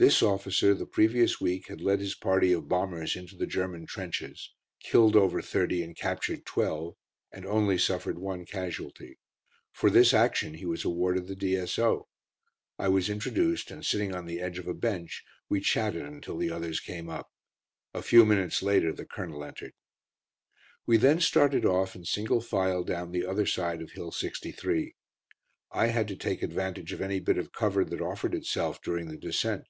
This officer the previous week had led his party of bombers into the German trenches, killed over thirty and captured twelve, and only suffered one casualty. For this action he was awarded the D.S.O. I was introduced, and sitting on the edge of a bench we chatted until the others came up. A few minutes later the Colonel entered. We then started off in single file down the other side of Hill 63. I had to take advantage of any bit of cover that offered itself during the descent.